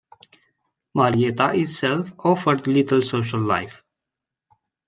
Marietta itself offered little social life.